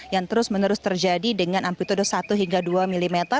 yang terus menerus terjadi dengan amplitude satu hingga dua mm